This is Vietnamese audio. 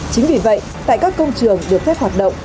chính vì vậy tại các công trường được phép hoạt động